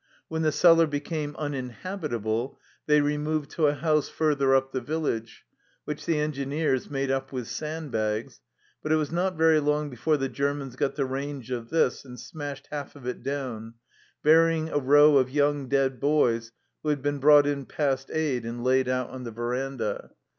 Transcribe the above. When the cellar became uninhabitable they removed to a house further up the village, which the Engineers made up with sand bags, but it was not very long before the Germans got the range of this and smashed half of it down, burying a row of young dead boys who had been brought in past aid and laid out on the verandah.